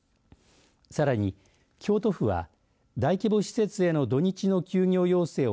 さらに京都府は大規模施設への土日の休業要請を